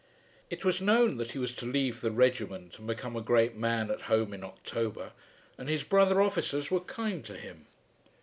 It was known that he was to leave the regiment and become a great man at home in October, and his brother officers were kind to him.